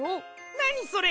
なにそれ？